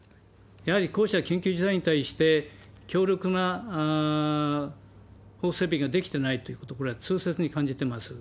やはりこうした緊急事態に対して、強力な法整備が出来てないところは、これは痛切に感じてます。